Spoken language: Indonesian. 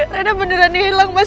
rena beneran nih hilang mas